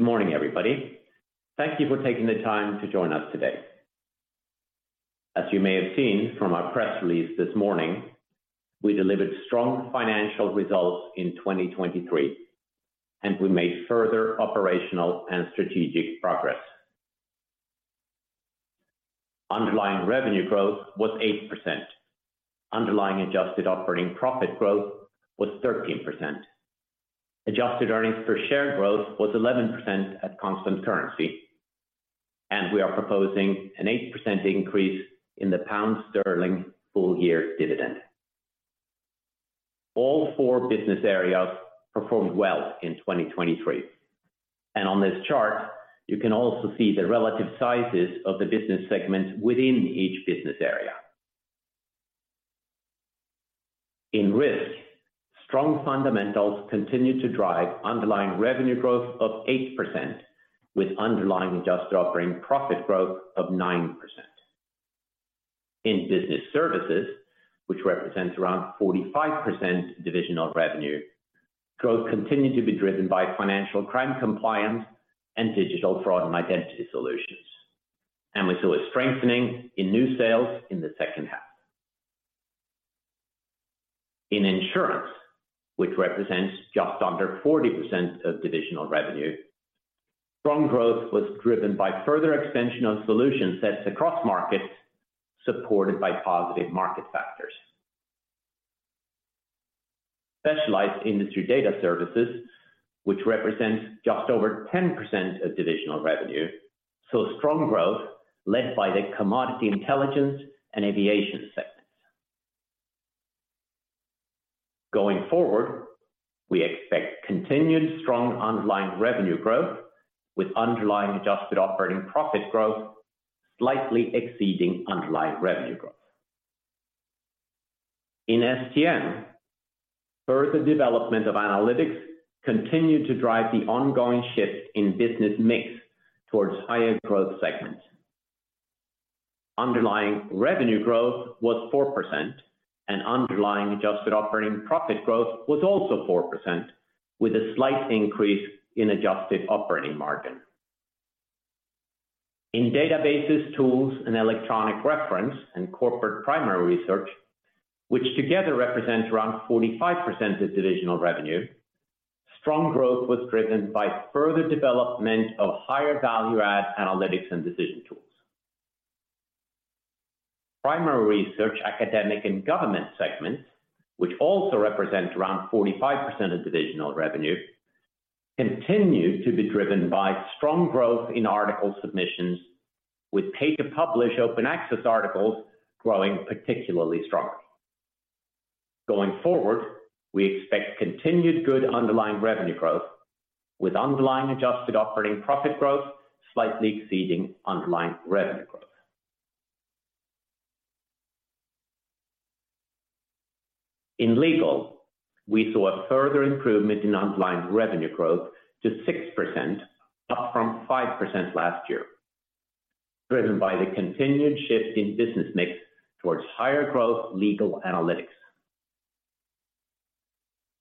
Good morning, everybody. Thank you for taking the time to join us today. As you may have seen from our press release this morning, we delivered strong financial results in 2023, and we made further operational and strategic progress. Underlying revenue growth was 8%. Underlying adjusted operating profit growth was 13%. Adjusted earnings per share growth was 11% at constant currency, and we are proposing an 8% increase in the pound sterling full-year dividend. All four business areas performed well in 2023, and on this chart, you can also see the relative sizes of the business segments within each business area. In Risk, strong fundamentals continue to drive underlying revenue growth of 8% with underlying adjusted operating profit growth of 9%. In Business Services, which represents around 45% divisional revenue, growth continued to be driven by financial crime compliance and digital fraud and identity solutions, and we saw a strengthening in new sales in the second half. In Insurance, which represents just under 40% of divisional revenue, strong growth was driven by further expansion of solutions sets across markets supported by positive market factors. Specialized Industry Data Services, which represents just over 10% of divisional revenue, saw strong growth led by the commodity intelligence and aviation segments. Going forward, we expect continued strong underlying revenue growth with underlying adjusted operating profit growth slightly exceeding underlying revenue growth. In STM, further development of analytics continued to drive the ongoing shift in business mix towards higher growth segments. Underlying revenue growth was 4%, and underlying adjusted operating profit growth was also 4% with a slight increase in adjusted operating margin. In databases, tools, and electronic reference and corporate primary research, which together represent around 45% of divisional revenue, strong growth was driven by further development of higher value-add analytics and decision tools. Primary research, academic, and government segments, which also represent around 45% of divisional revenue, continue to be driven by strong growth in article submissions with pay-to-publish open access articles growing particularly strongly. Going forward, we expect continued good underlying revenue growth with underlying adjusted operating profit growth slightly exceeding underlying revenue growth. In Legal, we saw a further improvement in underlying revenue growth to 6%, up from 5% last year, driven by the continued shift in business mix towards higher growth Legal analytics.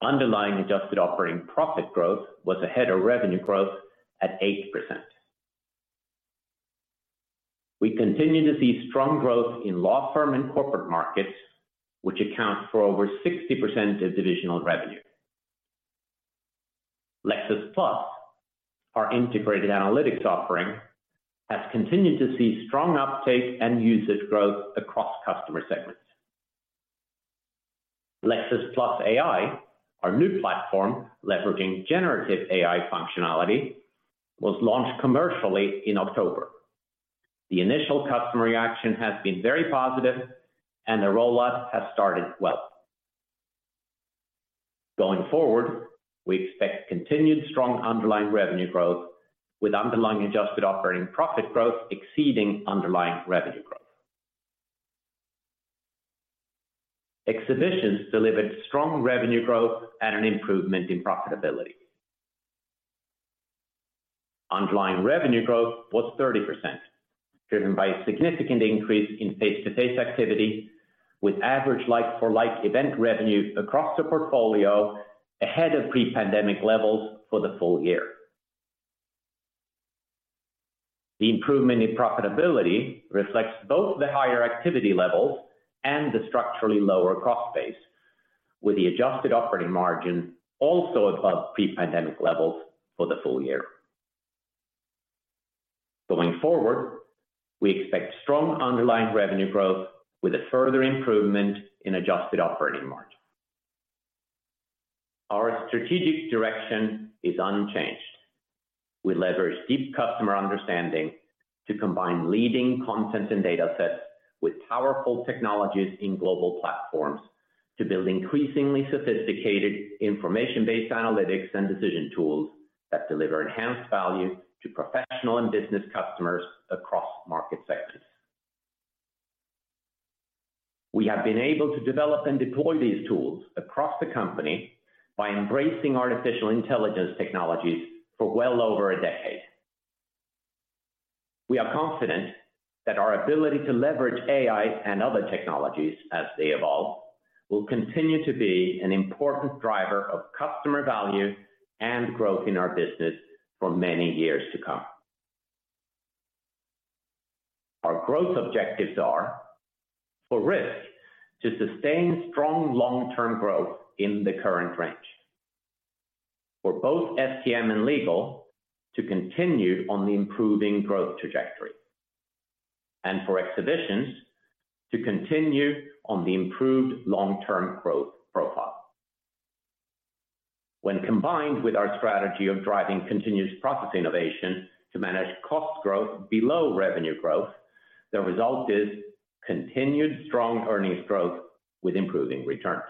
Underlying adjusted operating profit growth was ahead of revenue growth at 8%. We continue to see strong growth in law firm and corporate markets, which account for over 60% of divisional revenue. Lexis+, our integrated analytics offering, has continued to see strong uptake and usage growth across customer segments. Lexis+ AI, our new platform leveraging generative AI functionality, was launched commercially in October. The initial customer reaction has been very positive, and the rollout has started well. Going forward, we expect continued strong underlying revenue growth with underlying adjusted operating profit growth exceeding underlying revenue growth. Exhibitions delivered strong revenue growth and an improvement in profitability. Underlying revenue growth was 30%, driven by a significant increase in face-to-face activity with average like-for-like event revenue across the portfolio ahead of pre-pandemic levels for the full year. The improvement in profitability reflects both the higher activity levels and the structurally lower cost base, with the adjusted operating margin also above pre-pandemic levels for the full year. Going forward, we expect strong underlying revenue growth with a further improvement in adjusted operating margin. Our strategic direction is unchanged. We leverage deep customer understanding to combine leading content and datasets with powerful technologies in global platforms to build increasingly sophisticated information-based analytics and decision tools that deliver enhanced value to professional and business customers across market segments. We have been able to develop and deploy these tools across the company by embracing artificial intelligence technologies for well over a decade. We are confident that our ability to leverage AI and other technologies as they evolve will continue to be an important driver of customer value and growth in our business for many years to come. Our growth objectives are, for Risk, to sustain strong long-term growth in the current range, for both STM and Legal to continue on the improving growth trajectory, and for Exhibitions to continue on the improved long-term growth profile. When combined with our strategy of driving continuous process innovation to manage cost growth below revenue growth, the result is continued strong earnings growth with improving returns.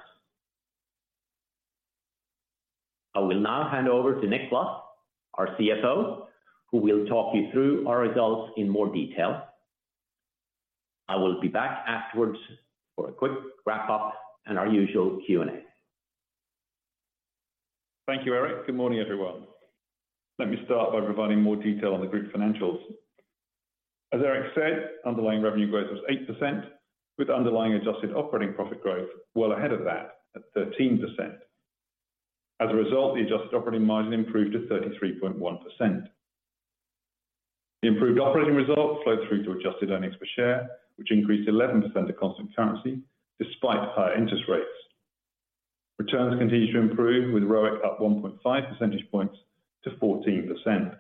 I will now hand over to Nick Luff, our CFO, who will talk you through our results in more detail. I will be back afterwards for a quick wrap-up and our usual Q&A. Thank you, Erik. Good morning, everyone. Let me start by providing more detail on the group financials. As Erik said, underlying revenue growth was 8%, with underlying adjusted operating profit growth well ahead of that at 13%. As a result, the adjusted operating margin improved to 33.1%. The improved operating result flowed through to adjusted earnings per share, which increased 11% to constant currency despite higher interest rates. Returns continued to improve, with ROIC up 1.5 percentage points to 14%.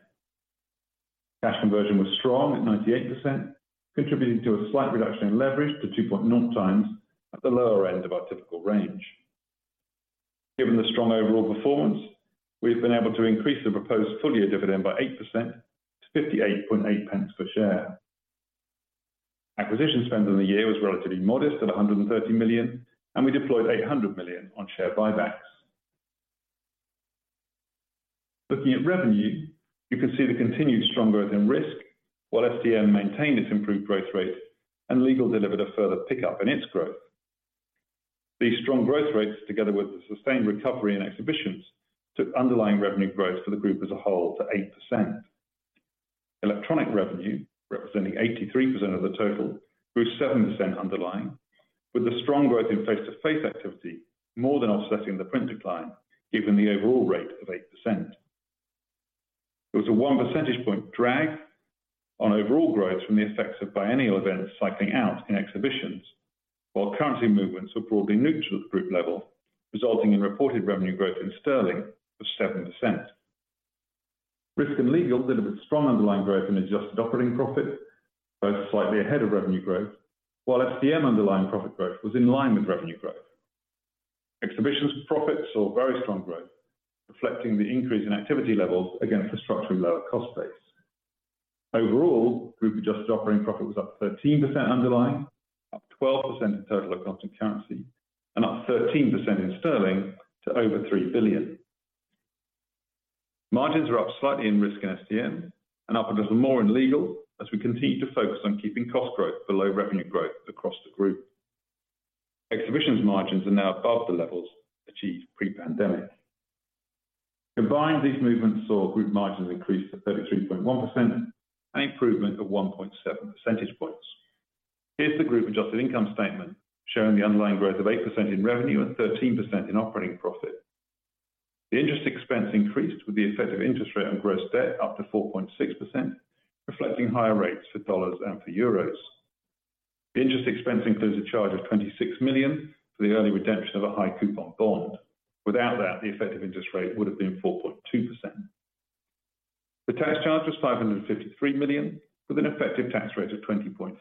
Cash conversion was strong at 98%, contributing to a slight reduction in leverage to 2.0 times at the lower end of our typical range. Given the strong overall performance, we have been able to increase the proposed full-year dividend by 8% to 0.588 per share. Acquisition spend on the year was relatively modest at 130 million, and we deployed 800 million on share buybacks. Looking at revenue, you can see the continued strong growth in Risk while STM maintained its improved growth rate and Legal delivered a further pickup in its growth. These strong growth rates, together with the sustained recovery in Exhibitions, took underlying revenue growth for the group as a whole to 8%. Electronic revenue, representing 83% of the total, grew 7% underlying, with the strong growth in face-to-face activity more than offsetting the print decline given the overall rate of 8%. There was a 1 percentage point drag on overall growth from the effects of biennial events cycling out in Exhibitions, while currency movements were broadly neutral at the group level, resulting in reported revenue growth in sterling of 7%. Risk and Legal delivered strong underlying growth in adjusted operating profit, both slightly ahead of revenue growth, while STM underlying profit growth was in line with revenue growth. Exhibitions' profits saw very strong growth, reflecting the increase in activity levels against a structurally lower cost base. Overall, group adjusted operating profit was up 13% underlying, up 12% in total constant currency, and up 13% in sterling to over 3 billion. Margins were up slightly in Risk and STM and up a little more in Legal as we continue to focus on keeping cost growth below revenue growth across the group. Exhibitions' margins are now above the levels achieved pre-pandemic. Combined, these movements saw group margins increase to 33.1% and an improvement of 1.7 percentage points. Here's the group adjusted income statement showing the underlying growth of 8% in revenue and 13% in operating profit. The interest expense increased with the effective interest rate on gross debt up to 4.6%, reflecting higher rates for dollars and for euros. The interest expense includes a charge of 26 million for the early redemption of a high coupon bond. Without that, the effective interest rate would have been 4.2%. The tax charge was 553 million with an effective tax rate of 20.4%.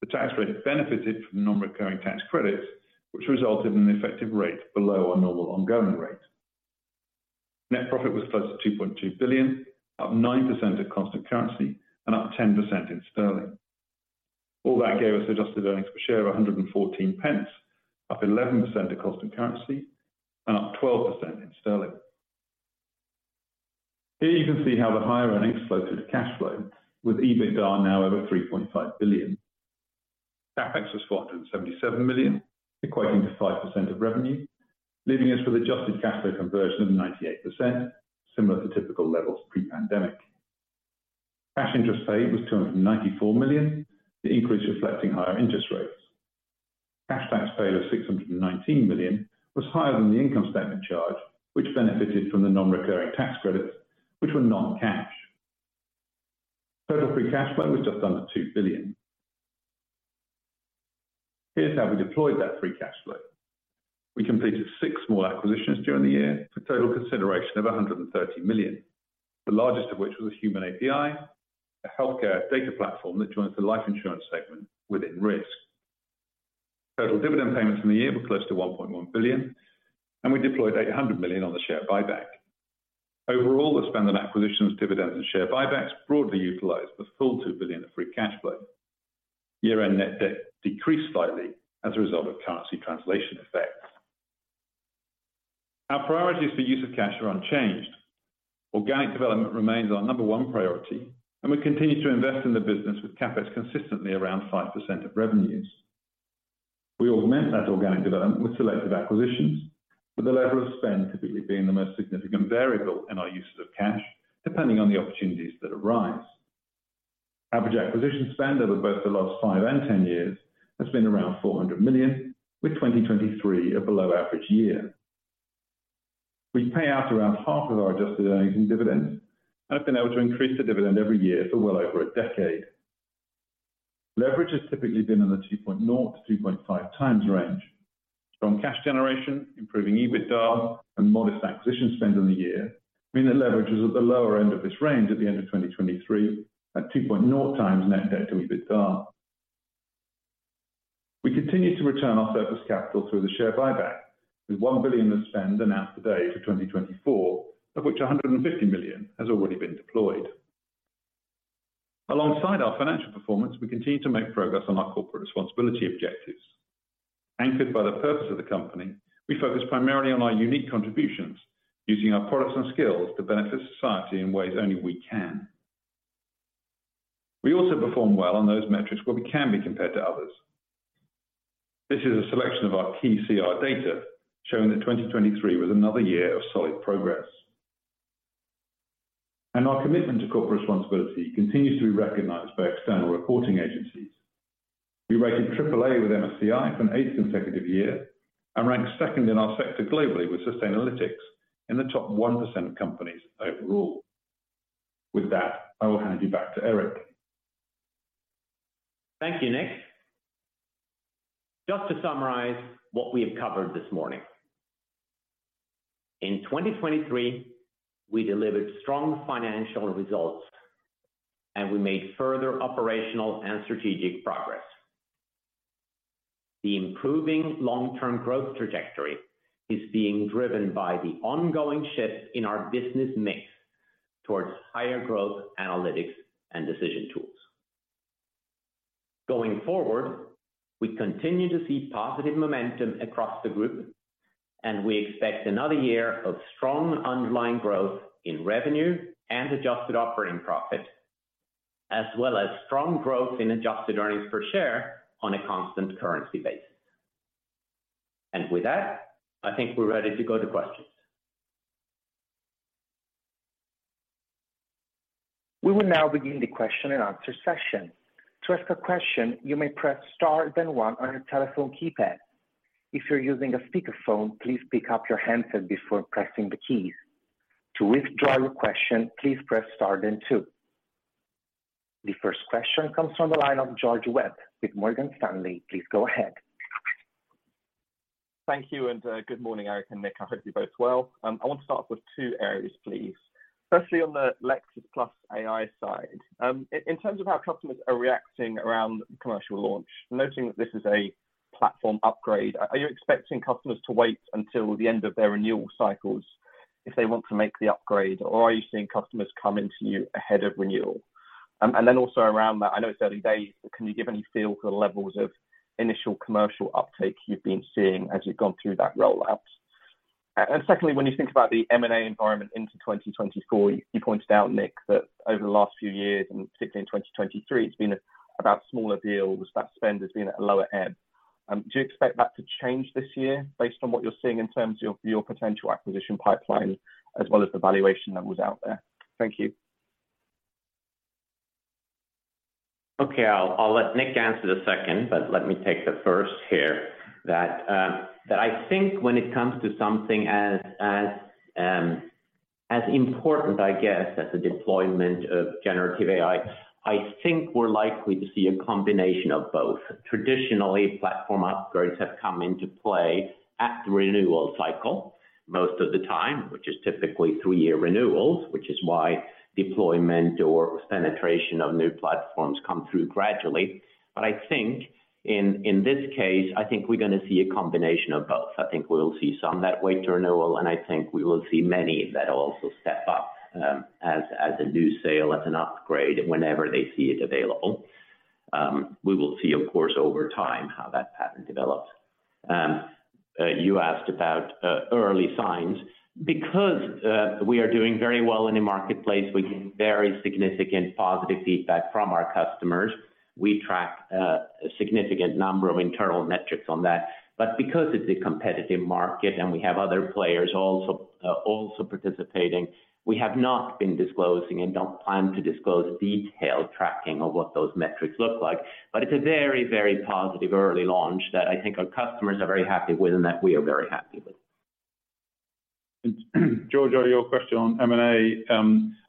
The tax rate benefited from non-recurring tax credits, which resulted in the effective rate below our normal ongoing rate. Net profit was close to 2.2 billion, up 9% at constant currency and up 10% in sterling. All that gave us adjusted earnings per share of 114 pence, up 11% at constant currency and up 12% in sterling. Here you can see how the higher earnings flow through to cash flow, with EBITDA now over 3.5 billion. CapEx was 477 million, equating to 5% of revenue, leaving us with adjusted cash flow conversion of 98%, similar to typical levels pre-pandemic. Cash interest paid was 294 million, the increase reflecting higher interest rates. Cash tax paid of 619 million was higher than the income statement charge, which benefited from the non-recurring tax credits, which were non-cash. Total free cash flow was just under 2 billion. Here's how we deployed that free cash flow. We completed six small acquisitions during the year for total consideration of 130 million, the largest of which was Human API, a healthcare data platform that joins the life Insurance segment within Risk. Total dividend payments in the year were close to 1.1 billion, and we deployed 800 million on the share buyback. Overall, the spend on acquisitions, dividends, and share buybacks broadly utilized the full 2 billion of free cash flow. Year-end net debt decreased slightly as a result of currency translation effects. Our priorities for use of cash are unchanged. Organic development remains our number one priority, and we continue to invest in the business with CapEx consistently around 5% of revenues. We augment that organic development with selective acquisitions, with the level of spend typically being the most significant variable in our uses of cash depending on the opportunities that arise. Average acquisition spend over both the last 5 and 10 years has been around 400 million, with 2023 a below-average year. We pay out around half of our adjusted earnings in dividends and have been able to increase the dividend every year for well over a decade. Leverage has typically been in the 2.0-2.5 times range. Strong cash generation, improving EBITDA, and modest acquisition spend in the year mean that leverage was at the lower end of this range at the end of 2023 at 2.0 times net debt to EBITDA. We continue to return our surplus capital through the share buyback, with 1 billion of spend announced today for 2024, of which 150 million has already been deployed. Alongside our financial performance, we continue to make progress on our corporate responsibility objectives. Anchored by the purpose of the company, we focus primarily on our unique contributions, using our products and skills to benefit society in ways only we can. We also perform well on those metrics where we can be compared to others. This is a selection of our key CR data showing that 2023 was another year of solid progress. Our commitment to corporate responsibility continues to be recognized by external reporting agencies. We rated AAA with MSCI for an eighth consecutive year and ranked second in our sector globally with Sustainalytics in the top 1% of companies overall. With that, I will hand you back to Erik. Thank you, Nick. Just to summarize what we have covered this morning, in 2023, we delivered strong financial results, and we made further operational and strategic progress. The improving long-term growth trajectory is being driven by the ongoing shift in our business mix towards higher growth analytics and decision tools. Going forward, we continue to see positive momentum across the group, and we expect another year of strong underlying growth in revenue and adjusted operating profit, as well as strong growth in adjusted earnings per share on a constant currency basis. With that, I think we're ready to go to questions. We will now begin the question and answer session. To ask a question, you may press star then one on your telephone keypad. If you're using a speakerphone, please pick up your handset before pressing the keys. To withdraw your question, please press star then two. The first question comes from the line of George Webb with Morgan Stanley. Please go ahead. Thank you, and good morning, Erik and Nick. I hope you're both well. I want to start off with two areas, please. Firstly, on the Lexis+ AI side, in terms of how customers are reacting around the commercial launch, noting that this is a platform upgrade, are you expecting customers to wait until the end of their renewal cycles if they want to make the upgrade, or are you seeing customers come into you ahead of renewal? And then also around that, I know it's early days, but can you give any feel for the levels of initial commercial uptake you've been seeing as you've gone through that rollout? And secondly, when you think about the M&A environment into 2024, you pointed out, Nick, that over the last few years and particularly in 2023, it's been about smaller deals. That spend has been at a lower ebb. Do you expect that to change this year based on what you're seeing in terms of your potential acquisition pipeline as well as the valuation that was out there? Thank you. Okay. I'll let Nick answer the second, but let me take the first here. That I think when it comes to something as important, I guess, as the deployment of generative AI, I think we're likely to see a combination of both. Traditionally, platform upgrades have come into play at the renewal cycle most of the time, which is typically three-year renewals, which is why deployment or penetration of new platforms come through gradually. But I think in this case, I think we're going to see a combination of both. I think we'll see some that wait to renewal, and I think we will see many that also step up as a new sale, as an upgrade, whenever they see it available. We will see, of course, over time how that pattern develops. You asked about early signs. Because we are doing very well in the marketplace, we get very significant positive feedback from our customers. We track a significant number of internal metrics on that. But because it's a competitive market and we have other players also participating, we have not been disclosing and don't plan to disclose detailed tracking of what those metrics look like. But it's a very, very positive early launch that I think our customers are very happy with and that we are very happy with. George, I have your question on M&A.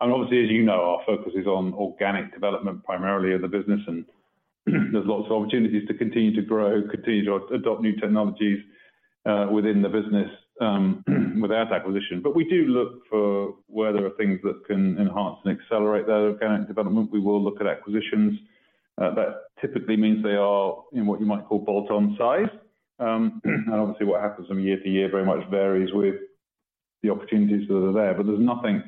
Obviously, as you know, our focus is on organic development primarily of the business, and there's lots of opportunities to continue to grow, continue to adopt new technologies within the business without acquisition. But we do look for whether there are things that can enhance and accelerate that organic development. We will look at acquisitions. That typically means they are in what you might call bolt-on size. Obviously, what happens from year to year very much varies with the opportunities that are there. But there's nothing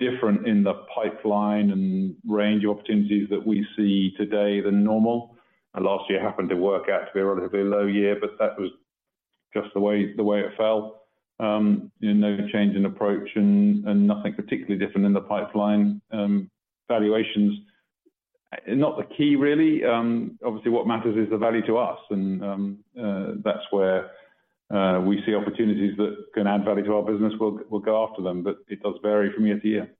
different in the pipeline and range of opportunities that we see today than normal. Last year happened to work out to be a relatively low year, but that was just the way it fell. No change in approach and nothing particularly different in the pipeline. Valuations, not the key, really. Obviously, what matters is the value to us. That's where we see opportunities that can add value to our business. We'll go after them, but it does vary from year to year.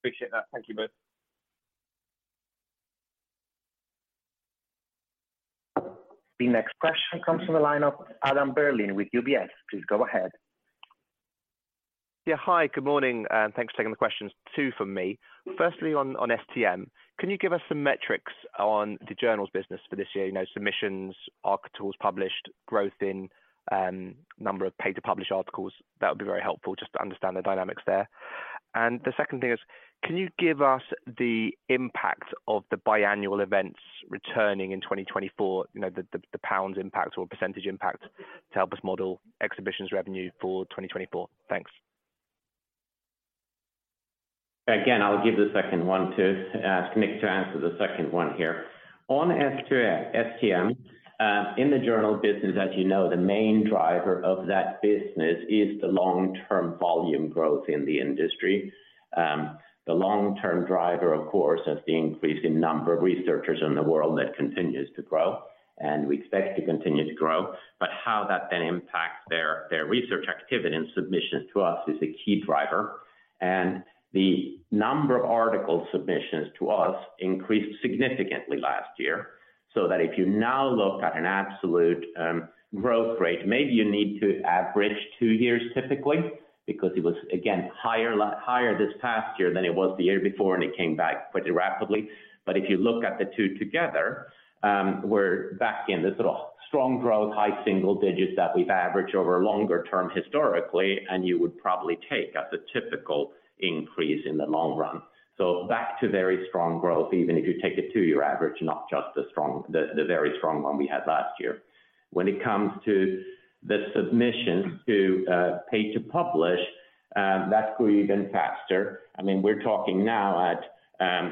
Appreciate that. Thank you, both. The next question comes from the line of Adam Berlin with UBS. Please go ahead. Yeah. Hi. Good morning. Thanks for taking the questions, too, from me. Firstly, on STM, can you give us some metrics on the journal's business for this year? Submissions, articles published, growth in number of pay-to-publish articles. That would be very helpful just to understand the dynamics there. And the second thing is, can you give us the impact of the biennial events returning in 2024, the pounds impact or percentage impact to help us model Exhibitions revenue for 2024? Thanks. Again, I'll give the second one too. Nick, to answer the second one here. On STM, in the journal business, as you know, the main driver of that business is the long-term volume growth in the industry. The long-term driver, of course, is the increase in number of researchers in the world that continues to grow. And we expect to continue to grow. But how that then impacts their research activity and submissions to us is a key driver. And the number of article submissions to us increased significantly last year. So that if you now look at an absolute growth rate, maybe you need to average two years, typically, because it was, again, higher this past year than it was the year before, and it came back pretty rapidly. But if you look at the two together, we're back in this little strong growth, high single digits that we've averaged over a longer term historically, and you would probably take as a typical increase in the long run. So back to very strong growth, even if you take a two-year average, not just the very strong one we had last year. When it comes to the submissions to pay-to-publish, that's grew even faster. I mean, we're talking now at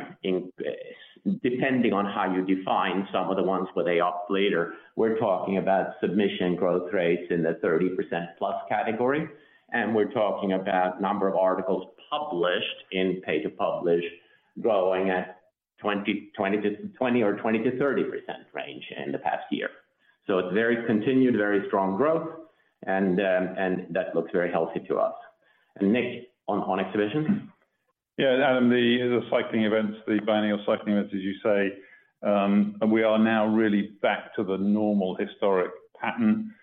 depending on how you define some of the ones where they up later, we're talking about submission growth rates in the 30%+ category. And we're talking about number of articles published in pay-to-publish growing at 20% or 20%-30% range in the past year. So it's very continued, very strong growth, and that looks very healthy to us. And Nick, on Exhibitions? Yeah. Adam, the cycling events, the biennial cycling events, as you say, we are now really back to the normal historic pattern.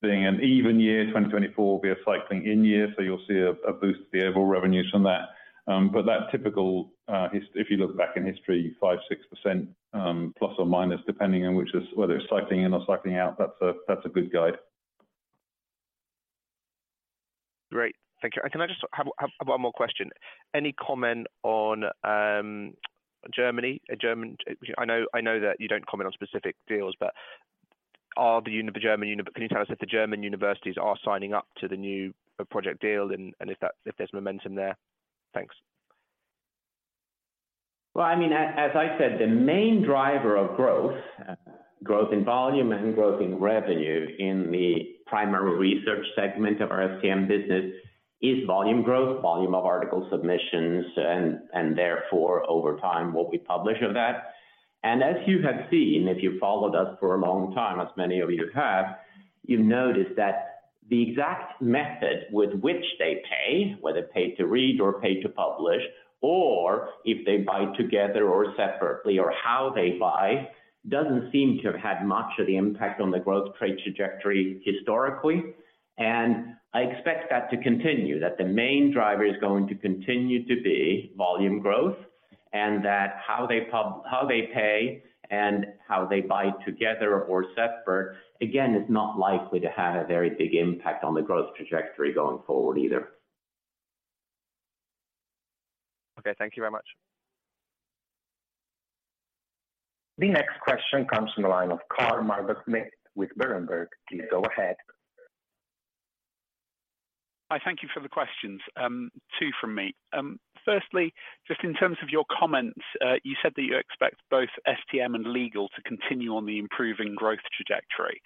Being an even year, 2024 will be a cycling in year, so you'll see a boost to the overall revenues from that. But that typical, if you look back in history, 5%-6% plus or minus, depending on whether it's cycling in or cycling out, that's a good guide. Great. Thank you. Can I just have one more question? Any comment on Germany? I know that you don't comment on specific deals, but can you tell us if the German universities are signing up to the new project deal and if there's momentum there? Thanks. Well, I mean, as I said, the main driver of growth, growth in volume and growth in revenue in the primary research segment of our STM business is volume growth, volume of article submissions, and therefore, over time, what we publish of that. And as you have seen, if you've followed us for a long time, as many of you have, you've noticed that the exact method with which they pay, whether paid to read or paid to publish, or if they buy together or separately or how they buy, doesn't seem to have had much of the impact on the growth trade trajectory historically. I expect that to continue, that the main driver is going to continue to be volume growth, and that how they pay and how they buy together or separate, again, is not likely to have a very big impact on the growth trajectory going forward either. Okay. Thank you very much. The next question comes from the line of Carl Sheridan with Berenberg. Please go ahead. Hi. Thank you for the questions. Two from me. Firstly, just in terms of your comments, you said that you expect both STM and Legal to continue on the improving growth trajectory.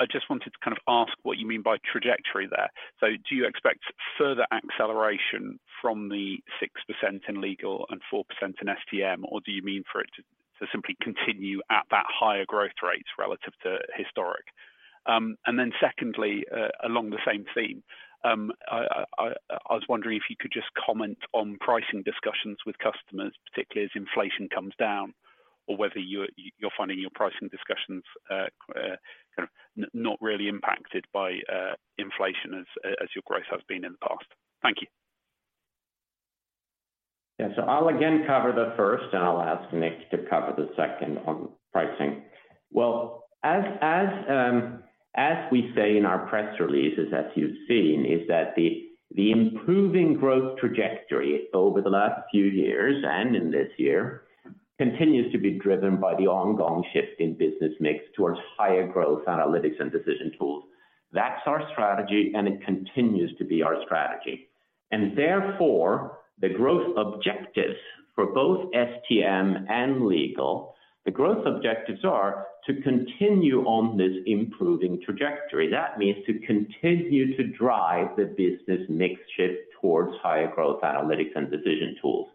I just wanted to kind of ask what you mean by trajectory there. So do you expect further acceleration from the 6% in Legal and 4% in STM, or do you mean for it to simply continue at that higher growth rate relative to historic? And then secondly, along the same theme, I was wondering if you could just comment on pricing discussions with customers, particularly as inflation comes down, or whether you're finding your pricing discussions kind of not really impacted by inflation as your growth has been in the past. Thank you. Yeah. So I'll again cover the first, and I'll ask Nick to cover the second on pricing. Well, as we say in our press releases, as you've seen, is that the improving growth trajectory over the last few years and in this year continues to be driven by the ongoing shift in business mix towards higher growth analytics and decision tools. That's our strategy, and it continues to be our strategy. And therefore, the growth objectives for both STM and Legal, the growth objectives are to continue on this improving trajectory. That means to continue to drive the business mix shift towards higher growth analytics and decision tools.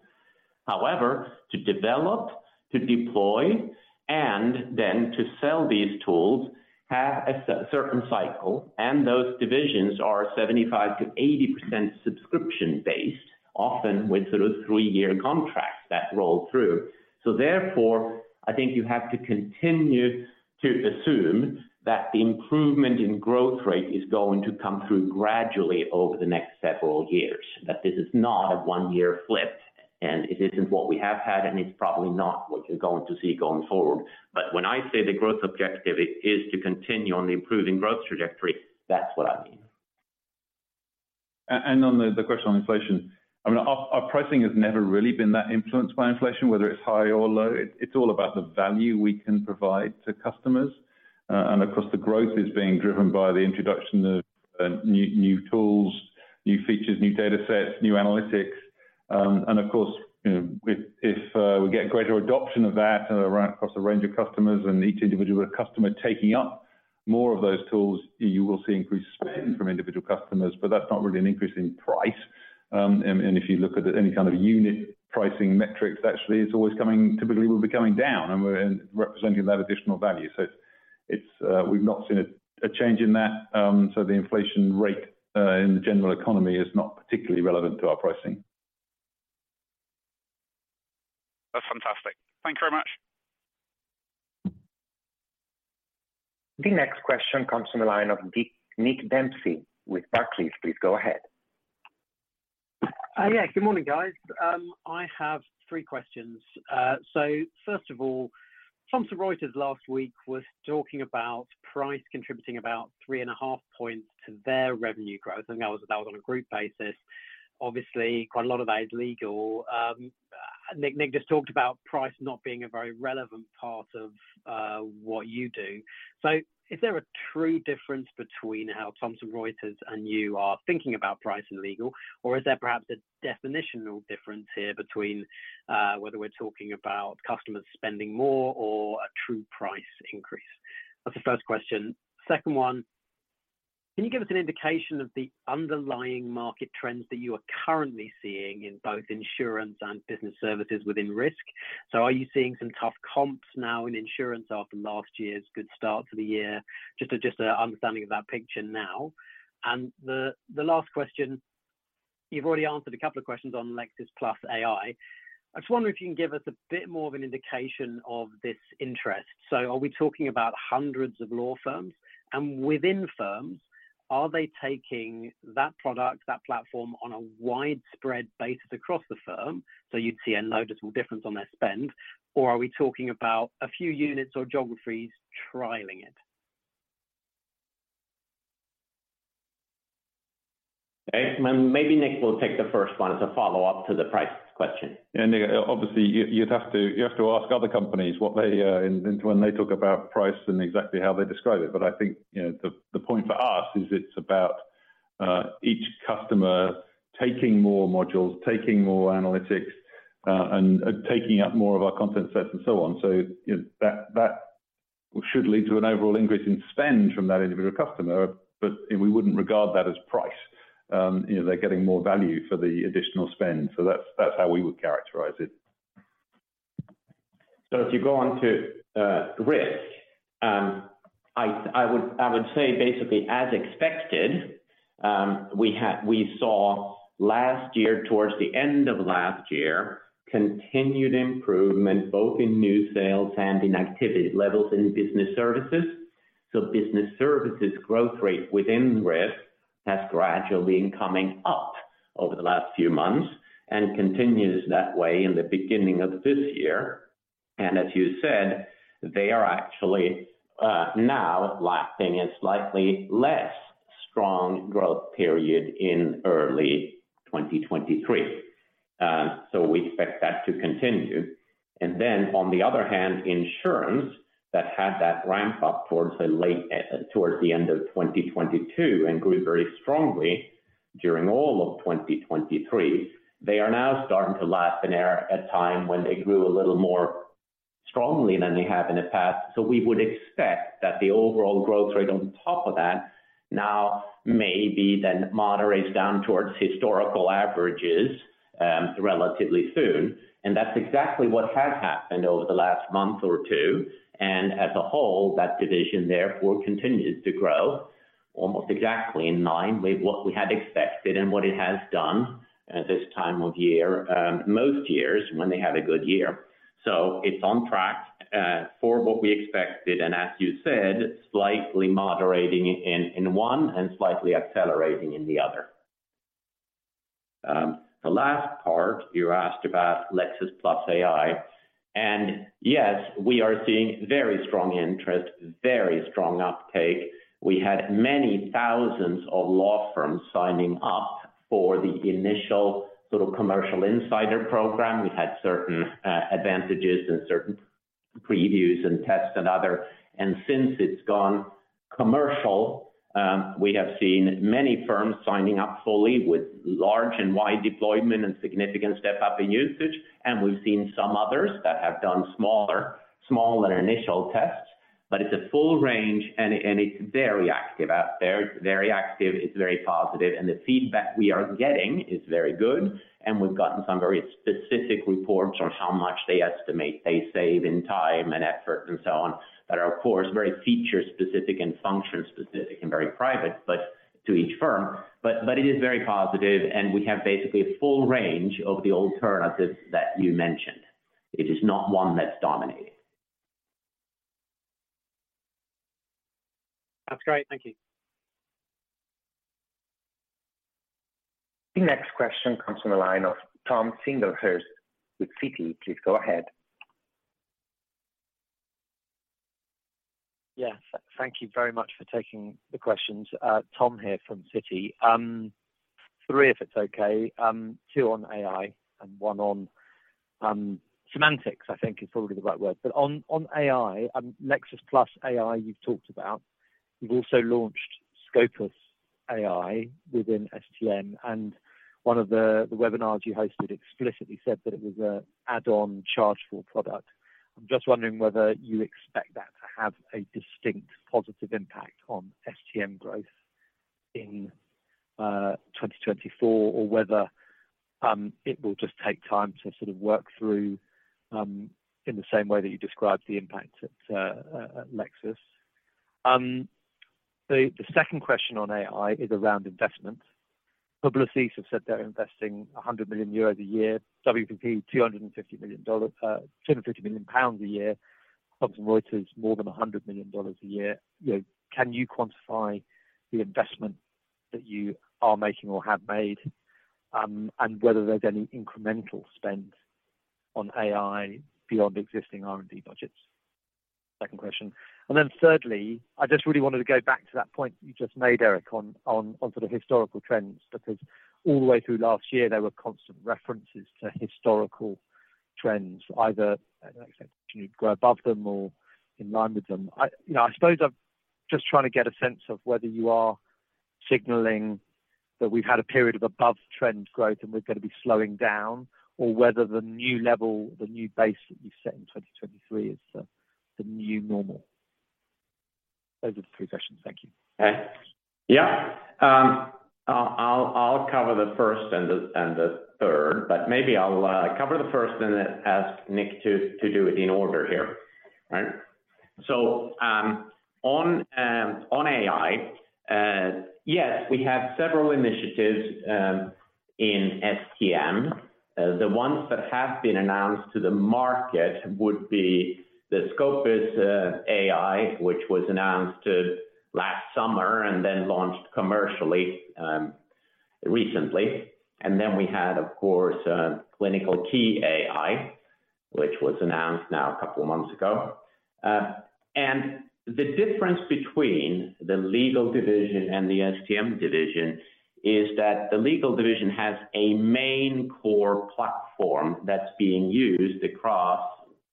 However, to develop, to deploy, and then to sell these tools have a certain cycle, and those divisions are 75%-80% subscription-based, often with sort of three-year contracts that roll through. So therefore, I think you have to continue to assume that the improvement in growth rate is going to come through gradually over the next several years, that this is not a one-year flip, and it isn't what we have had, and it's probably not what you're going to see going forward. But when I say the growth objective is to continue on the improving growth trajectory, that's what I mean. On the question on inflation, I mean, our pricing has never really been that influenced by inflation, whether it's high or low. It's all about the value we can provide to customers. And of course, the growth is being driven by the introduction of new tools, new features, new datasets, new analytics. And of course, if we get greater adoption of that across a range of customers and each individual customer taking up more of those tools, you will see increased spend from individual customers. But that's not really an increase in price. And if you look at any kind of unit pricing metrics, actually, it's always coming typically, will be coming down and representing that additional value. So we've not seen a change in that. So the inflation rate in the general economy is not particularly relevant to our pricing. That's fantastic. Thank you very much. The next question comes from the line of Nick Dempsey with Barclays. Please go ahead. Yeah. Good morning, guys. I have three questions. So first of all, Thomson Reuters last week was talking about price contributing about 3.5 points to their revenue growth. I think that was on a group basis. Obviously, quite a lot of that is Legal. Nick just talked about price not being a very relevant part of what you do. So is there a true difference between how Thomson Reuters and you are thinking about price and Legal, or is there perhaps a definitional difference here between whether we're talking about customers spending more or a true price increase? That's the first question. Second one, can you give us an indication of the underlying market trends that you are currently seeing in both Insurance and Business Services within Risk? So are you seeing some tough comps now in Insurance after last year's good start to the year? Just an understanding of that picture now. The last question, you've already answered a couple of questions on Lexis+AI. I just wonder if you can give us a bit more of an indication of this interest. So are we talking about hundreds of law firms? And within firms, are they taking that product, that platform, on a widespread basis across the firm? So you'd see a noticeable difference on their spend, or are we talking about a few units or geographies trialing it? Maybe Nick will take the first one as a follow-up to the price question. Yeah. Nick, obviously, you'd have to ask other companies what they talk about price and exactly how they describe it. But I think the point for us is it's about each customer taking more modules, taking more analytics, and taking up more of our content sets and so on. So that should lead to an overall increase in spend from that individual customer, but we wouldn't regard that as price. They're getting more value for the additional spend. So that's how we would characterize it. So if you go on to Risk, I would say basically, as expected, we saw last year, towards the end of last year, continued improvement both in new sales and in activity levels in Business Services. So Business Services growth rate within Risk has gradually been coming up over the last few months and continues that way in the beginning of this year. And as you said, they are actually now lapping a slightly less strong growth period in early 2023. So we expect that to continue. And then on the other hand, Insurance that had that ramp-up towards the end of 2022 and grew very strongly during all of 2023, they are now starting to lap a time when they grew a little more strongly than they have in the past. So we would expect that the overall growth rate on top of that now maybe then moderates down towards historical averages relatively soon. And that's exactly what has happened over the last month or two. And as a whole, that division, therefore, continues to grow almost exactly in line with what we had expected and what it has done this time of year, most years when they have a good year. So it's on track for what we expected, and as you said, slightly moderating in one and slightly accelerating in the other. The last part, you asked about Lexis+ AI. And yes, we are seeing very strong interest, very strong uptake. We had many thousands of law firms signing up for the initial sort of commercial insider program. We had certain advantages and certain previews and tests and other. Since it's gone commercial, we have seen many firms signing up fully with large and wide deployment and significant step-up in usage. We've seen some others that have done smaller initial tests. But it's a full range, and it's very active out there. It's very active. It's very positive. The feedback we are getting is very good. We've gotten some very specific reports on how much they estimate they save in time and effort and so on that are, of course, very feature-specific and function-specific and very private, but to each firm. But it is very positive, and we have basically a full range of the alternatives that you mentioned. It is not one that's dominating. That's great. Thank you. The next question comes from the line of Tom Singlehurst with Citi. Please go ahead. Yeah. Thank you very much for taking the questions. Tom here from Citi. Three, if it's okay. Two on AI and one on semantics, I think, is probably the right word. But on AI, Lexis+ AI, you've talked about. You've also launched Scopus AI within STM. And one of the webinars you hosted explicitly said that it was an add-on, charge-for product. I'm just wondering whether you expect that to have a distinct positive impact on STM growth in 2024 or whether it will just take time to sort of work through in the same way that you described the impact at Lexis. The second question on AI is around investment. Publicis have said they're investing 100 million euros a year, WPP GBP 250 million a year, Thomson Reuters more than $100 million a year. Can you quantify the investment that you are making or have made and whether there's any incremental spend on AI beyond existing R&D budgets? Second question. And then thirdly, I just really wanted to go back to that point you just made, Eric, on sort of historical trends because all the way through last year, there were constant references to historical trends, either to the extent you'd grow above them or in line with them. I suppose I'm just trying to get a sense of whether you are signaling that we've had a period of above-trend growth and we're going to be slowing down, or whether the new level, the new base that you've set in 2023 is the new normal. Those are the three questions. Thank you. Yeah. I'll cover the first and the third, but maybe I'll cover the first and then ask Nick to do it in order here. Right? So on AI, yes, we have several initiatives in STM. The ones that have been announced to the market would be the Scopus AI, which was announced last summer and then launched commercially recently. And then we had, of course, ClinicalKey AI, which was announced now a couple of months ago. And the difference between the Legal division and the STM division is that the Legal division has a main core platform that's being used across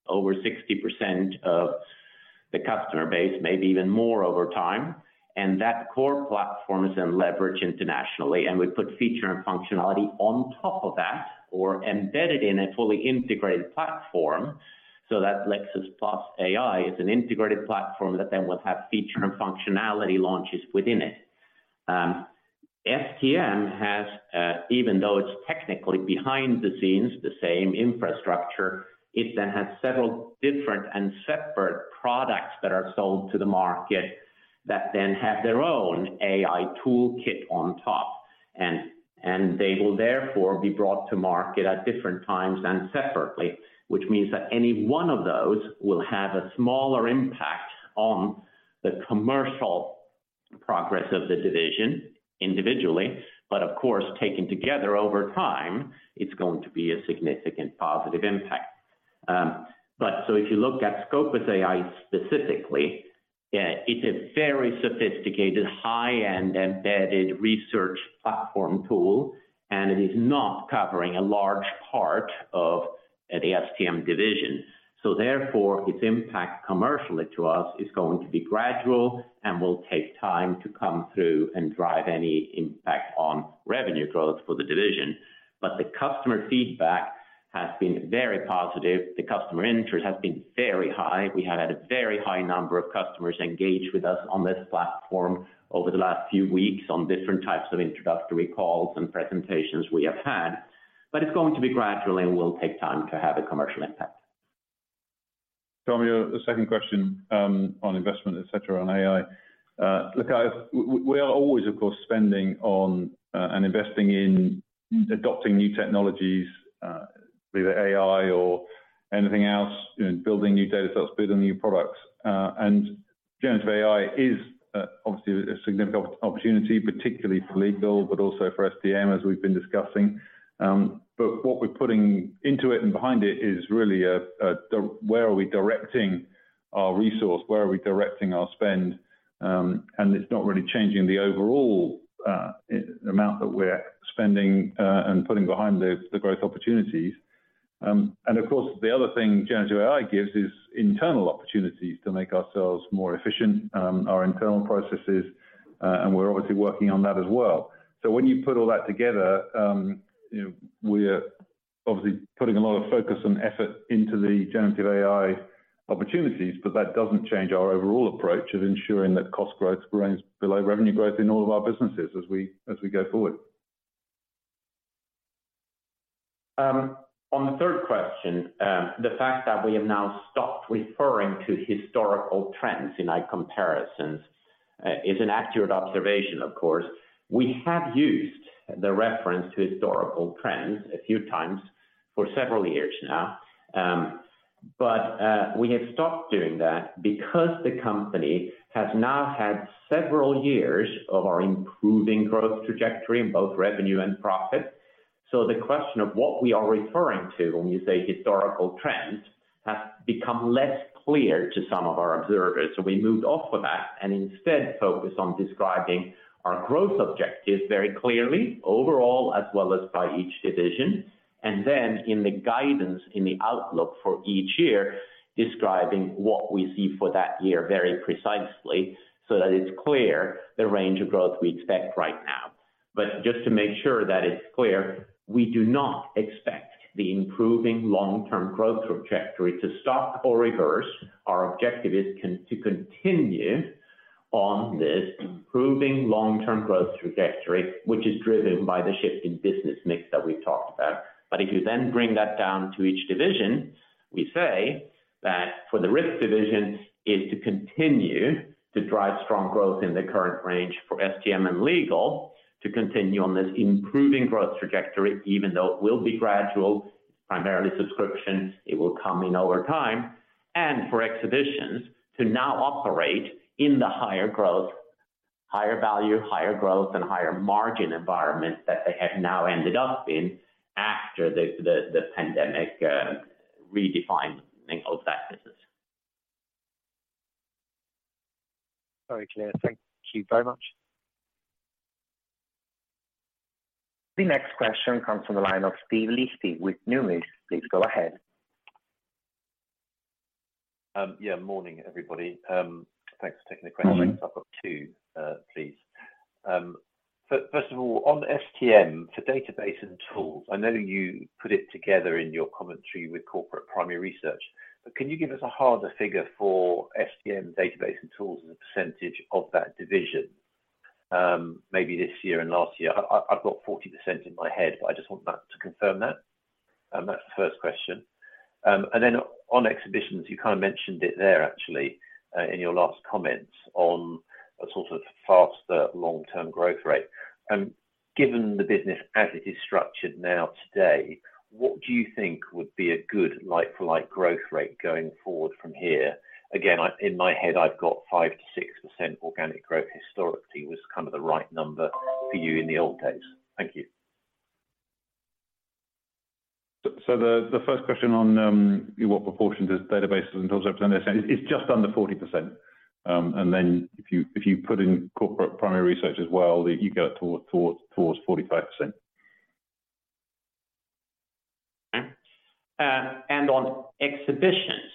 over 60% of the customer base, maybe even more over time. And that core platform is then leveraged internationally. And we put feature and functionality on top of that or embedded in a fully integrated platform. So that Lexis+AI is an integrated platform that then will have feature and functionality launches within it. STM has, even though it's technically behind the scenes, the same infrastructure, it then has several different and separate products that are sold to the market that then have their own AI toolkit on top. And they will therefore be brought to market at different times and separately, which means that any one of those will have a smaller impact on the commercial progress of the division individually. But of course, taken together over time, it's going to be a significant positive impact. So if you look at Scopus AI specifically, it's a very sophisticated, high-end, embedded research platform tool, and it is not covering a large part of the STM division. Therefore, its impact commercially to us is going to be gradual and will take time to come through and drive any impact on revenue growth for the division. But the customer feedback has been very positive. The customer interest has been very high. We have had a very high number of customers engage with us on this platform over the last few weeks on different types of introductory calls and presentations we have had. But it's going to be gradual, and it will take time to have a commercial impact. Tom, your second question on investment, etc., on AI. Look, we are always, of course, spending on and investing in adopting new technologies, be that AI or anything else, building new datasets, building new products. And generative AI is obviously a significant opportunity, particularly for Legal, but also for STM, as we've been discussing. But what we're putting into it and behind it is really where are we directing our resource? Where are we directing our spend? And it's not really changing the overall amount that we're spending and putting behind the growth opportunities. And of course, the other thing generative AI gives is internal opportunities to make ourselves more efficient, our internal processes. And we're obviously working on that as well. So when you put all that together, we're obviously putting a lot of focus and effort into the generative AI opportunities, but that doesn't change our overall approach of ensuring that cost growth remains below revenue growth in all of our businesses as we go forward. On the third question, the fact that we have now stopped referring to historical trends in our comparisons is an accurate observation, of course. We have used the reference to historical trends a few times for several years now. But we have stopped doing that because the company has now had several years of our improving growth trajectory in both revenue and profit. So the question of what we are referring to when we say historical trends has become less clear to some of our observers. So we moved off of that and instead focused on describing our growth objectives very clearly, overall, as well as by each division. And then in the guidance, in the outlook for each year, describing what we see for that year very precisely so that it's clear the range of growth we expect right now. But just to make sure that it's clear, we do not expect the improving long-term growth trajectory to stop or reverse. Our objective is to continue on this improving long-term growth trajectory, which is driven by the shift in business mix that we've talked about. But if you then bring that down to each division, we say that for the Risk division, it is to continue to drive strong growth in the current range for STM and Legal, to continue on this improving growth trajectory, even though it will be gradual. It's primarily subscription. It will come in over time. And for Exhibitions, to now operate in the higher growth, higher value, higher growth, and higher margin environment that they have now ended up in after the pandemic redefining of that business. All clear. Thank you very much. The next question comes from the line of Steve Liechti with Numis. Please go ahead. Yeah. Morning, everybody. Thanks for taking the question. So I've got two, please. First of all, on STM, for database and tools, I know you put it together in your commentary with corporate primary research. But can you give us a harder figure for STM, database, and tools as a percentage of that division, maybe this year and last year? I've got 40% in my head, but I just want that to confirm that. That's the first question. And then on Exhibitions, you kind of mentioned it there, actually, in your last comments on a sort of faster long-term growth rate. Given the business as it is structured now today, what do you think would be a good like-for-like growth rate going forward from here? Again, in my head, I've got 5%-6% organic growth historically was kind of the right number for you in the old days. Thank you. So the first question on what proportion does database and tools represent, it's just under 40%. And then if you put in corporate primary research as well, you get it towards 45%. Okay. And on Exhibitions,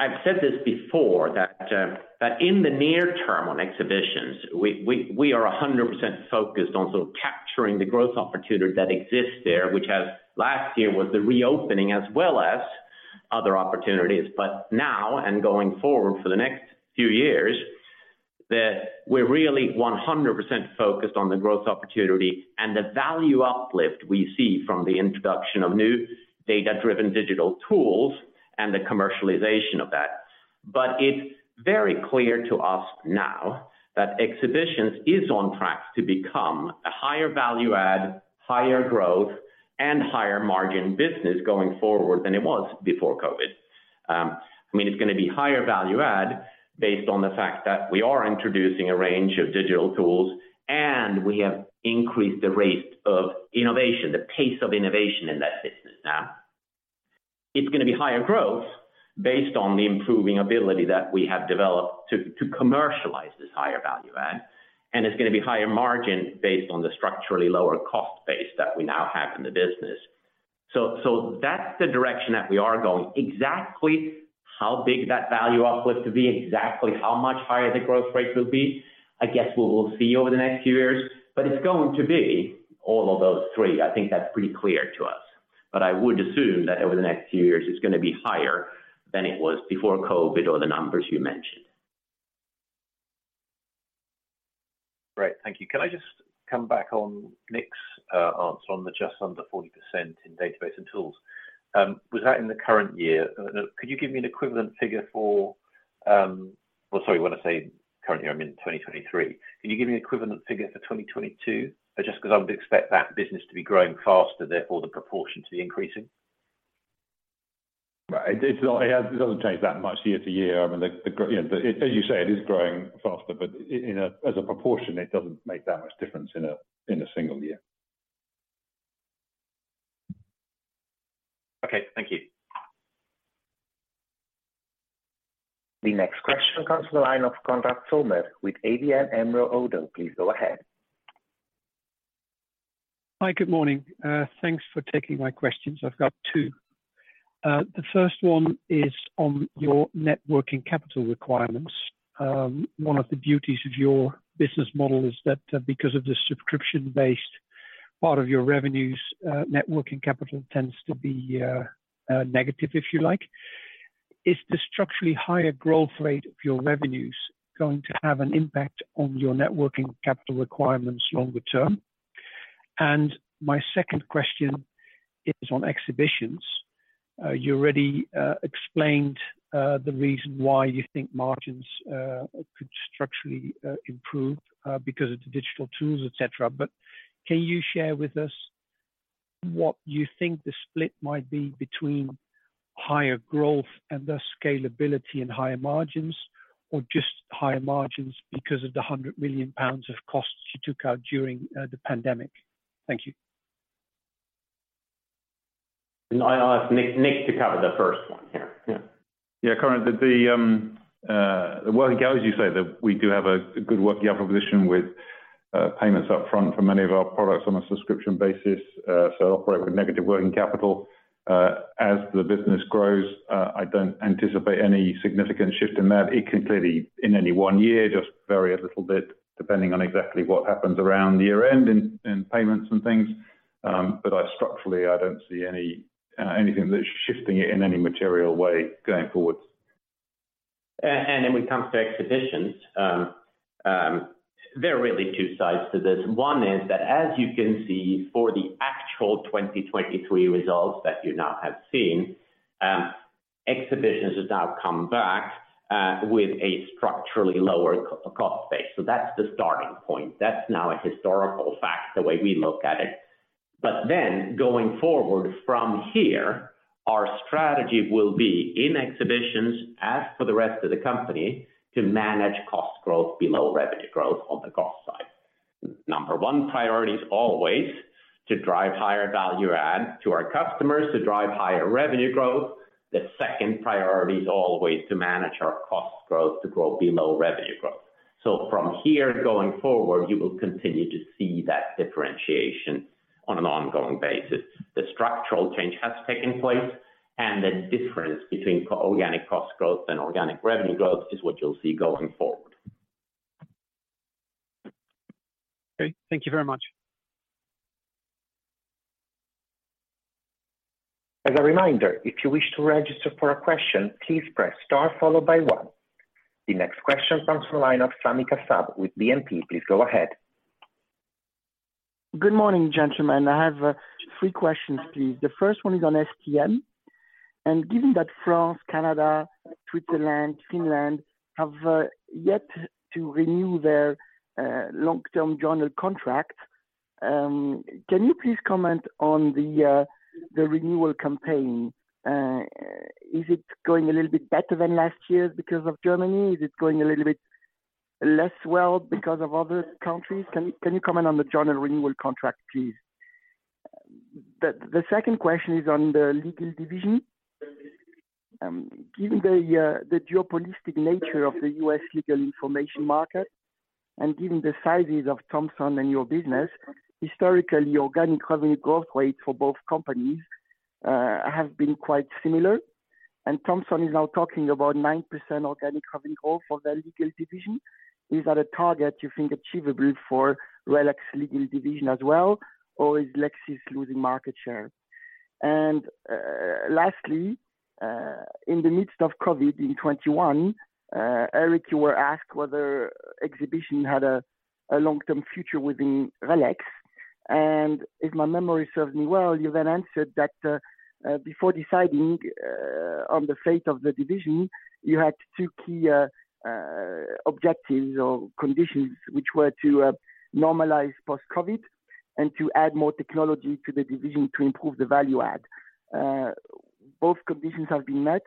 I've said this before, that in the near term on Exhibitions, we are 100% focused on sort of capturing the growth opportunity that exists there, which last year was the reopening as well as other opportunities. But now and going forward for the next few years, we're really 100% focused on the growth opportunity and the value uplift we see from the introduction of new data-driven digital tools and the commercialization of that. But it's very clear to us now that Exhibitions is on track to become a higher value-add, higher growth, and higher margin business going forward than it was before COVID. I mean, it's going to be higher value-add based on the fact that we are introducing a range of digital tools, and we have increased the rate of innovation, the pace of innovation in that business now. It's going to be higher growth based on the improving ability that we have developed to commercialize this higher value-add. And it's going to be higher margin based on the structurally lower cost base that we now have in the business. So that's the direction that we are going. Exactly how big that value uplift will be, exactly how much higher the growth rate will be, I guess we will see over the next few years. But it's going to be all of those three. I think that's pretty clear to us. But I would assume that over the next few years, it's going to be higher than it was before COVID or the numbers you mentioned. Great. Thank you. Can I just come back on Nick's answer on the just under 40% in database and tools? Was that in the current year? Could you give me an equivalent figure for well, sorry, you want to say current year. I mean, 2023. Can you give me an equivalent figure for 2022? Just because I would expect that business to be growing faster, therefore the proportion to be increasing. Right. It doesn't change that much year-to-year. I mean, as you say, it is growing faster. But as a proportion, it doesn't make that much difference in a single year. Okay. Thank you. The next question comes from the line of Konrad Zomer with ABN AMRO ODDO. Please go ahead. Hi. Good morning. Thanks for taking my questions. I've got two. The first one is on your working capital requirements. One of the beauties of your business model is that because of the subscription-based part of your revenues, working capital tends to be negative, if you like. Is the structurally higher growth rate of your revenues going to have an impact on your working capital requirements longer term? And my second question is on Exhibitions. You already explained the reason why you think margins could structurally improve because of the digital tools, etc. But can you share with us what you think the split might be between higher growth and thus scalability and higher margins, or just higher margins because of the 100 million pounds of costs you took out during the pandemic? Thank you. I'll ask Nick to cover the first one here. Yeah. Yeah. Konrad, the working capital, as you say, we do have a good working proposition with payments upfront for many of our products on a subscription basis. So I operate with negative working capital. As the business grows, I don't anticipate any significant shift in that. It can clearly vary in any one year just a little bit depending on exactly what happens around year-end in payments and things. But structurally, I don't see anything that's shifting it in any material way going forwards. Then when it comes to Exhibitions, there are really two sides to this. One is that, as you can see for the actual 2023 results that you now have seen, Exhibitions have now come back with a structurally lower cost base. So that's the starting point. That's now a historical fact, the way we look at it. But then going forward from here, our strategy will be in Exhibitions, as for the rest of the company, to manage cost growth below revenue growth on the cost side. Number one priority is always to drive higher value-add to our customers, to drive higher revenue growth. The second priority is always to manage our cost growth to grow below revenue growth. So from here going forward, you will continue to see that differentiation on an ongoing basis. The structural change has taken place, and the difference between organic cost growth and organic revenue growth is what you'll see going forward. Okay. Thank you very much. As a reminder, if you wish to register for a question, please press star followed by one. The next question comes from the line of Sami Kassab with BNP. Please go ahead. Good morning, gentlemen. I have three questions, please. The first one is on STM. Given that France, Canada, Switzerland, Finland have yet to renew their long-term joint contracts, can you please comment on the renewal campaign? Is it going a little bit better than last year because of Germany? Is it going a little bit less well because of other countries? Can you comment on the joint renewal contract, please? The second question is on the Legal division. Given the geopolitical nature of the U.S. Legal information market and given the sizes of Thomson and your business, historically, organic revenue growth rates for both companies have been quite similar. Thomson is now talking about 9% organic revenue growth for their Legal division. Is that a target you think achievable for RELX Legal division as well, or is Lexis losing market share? Lastly, in the midst of COVID in 2021, Erik, you were asked whether exhibition had a long-term future within RELX. If my memory serves me well, you then answered that before deciding on the fate of the division, you had two key objectives or conditions, which were to normalize post-COVID and to add more technology to the division to improve the value-add. Both conditions have been met.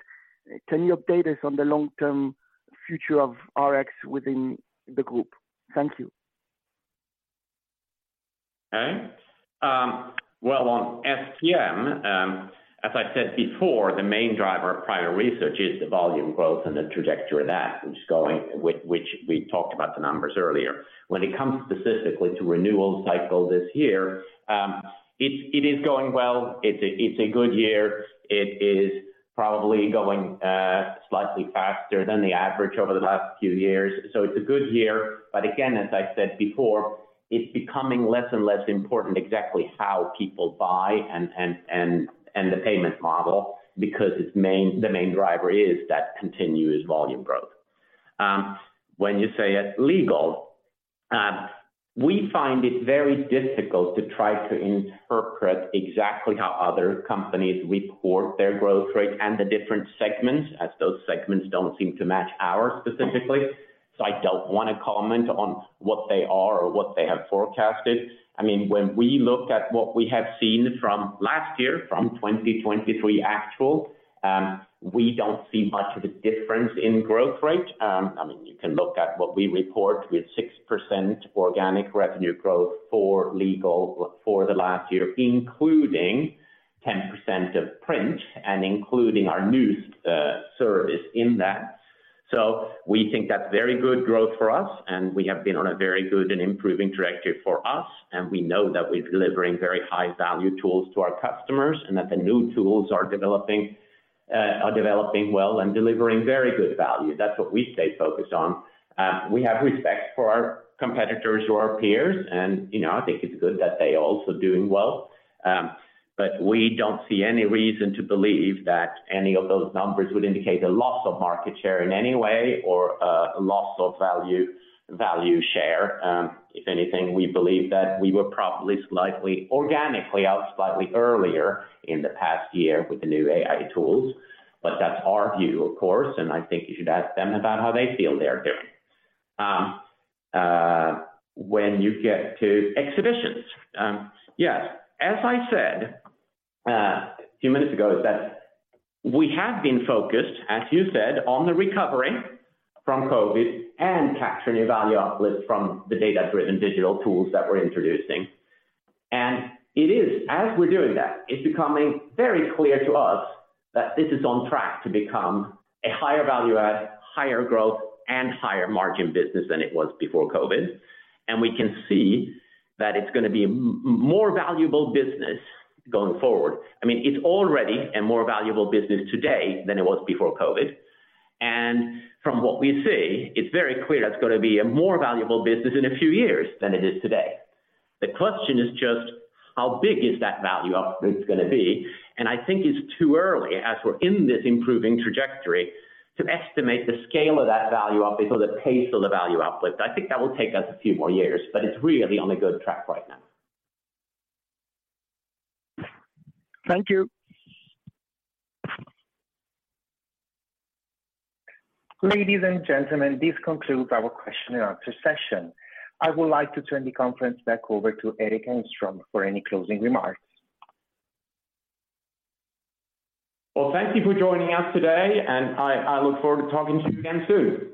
Can you update us on the long-term future of Exhibitions within the group? Thank you. Okay. Well, on STM, as I said before, the main driver of primary research is the volume growth and the trajectory of that, which we talked about the numbers earlier. When it comes specifically to renewal cycle this year, it is going well. It's a good year. It is probably going slightly faster than the average over the last few years. So it's a good year. But again, as I said before, it's becoming less and less important exactly how people buy and the payment model because the main driver is that continuous volume growth. When you say at Legal, we find it very difficult to try to interpret exactly how other companies report their growth rate and the different segments, as those segments don't seem to match ours specifically. So I don't want to comment on what they are or what they have forecasted. I mean, when we look at what we have seen from last year, from 2023 actual, we don't see much of a difference in growth rate. I mean, you can look at what we report with 6% organic revenue growth for Legal for the last year, including 10% of print and including our new service in that. So we think that's very good growth for us, and we have been on a very good and improving trajectory for us. We know that we're delivering very high-value tools to our customers and that the new tools are developing well and delivering very good value. That's what we stay focused on. We have respect for our competitors or our peers, and I think it's good that they're also doing well. But we don't see any reason to believe that any of those numbers would indicate a loss of market share in any way or a loss of value share. If anything, we believe that we were probably slightly organically out slightly earlier in the past year with the new AI tools. But that's our view, of course. And I think you should ask them about how they feel they're doing. When you get to Exhibitions, yes, as I said a few minutes ago, we have been focused, as you said, on the recovery from COVID and capturing a value uplift from the data-driven digital tools that we're introducing. And as we're doing that, it's becoming very clear to us that this is on track to become a higher value-add, higher growth, and higher margin business than it was before COVID. We can see that it's going to be a more valuable business going forward. I mean, it's already a more valuable business today than it was before COVID. From what we see, it's very clear that it's going to be a more valuable business in a few years than it is today. The question is just how big is that value uplift going to be? I think it's too early, as we're in this improving trajectory, to estimate the scale of that value uplift or the pace of the value uplift. I think that will take us a few more years, but it's really on a good track right now. Thank you. Ladies and gentlemen, this concludes our question and answer session. I would like to turn the conference back over to Erik Engstrom for any closing remarks. Well, thank you for joining us today, and I look forward to talking to you again soon.